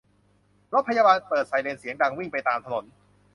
รถพยาบาลเปิดไซเรนเสียงดังวิ่งไปตามถนน